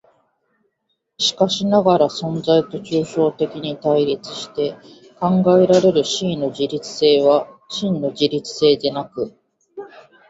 しかしながら存在と抽象的に対立して考えられる思惟の自律性は真の自律性でなく、